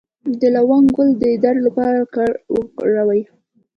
د لونګ ګل د درد لپاره وکاروئ